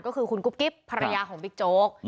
ก็คือคุณกุ๊บกิ๊บภรรยาของบิ๊กโจ๊ก